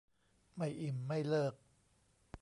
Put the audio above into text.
ไม่อิ่มไม่เลิก